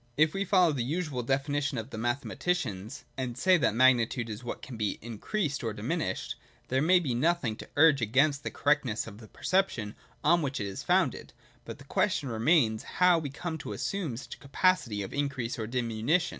(i) If we follow the usual definition of the mathematicians, given in § 99, and say that magnitude is what can be in creased or diminished, there may be nothing to urge against the correctness of the perception on which it is founded ; but the question remains, how we come to assume such a capacity of increase or diminution.